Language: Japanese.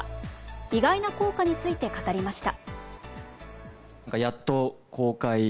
意外な効果について語りました。